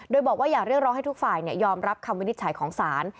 โดยบอกว่าอย่าเรียกร้องให้ทุกฝ่ายยอมรับคำวินิจฉัยของศาล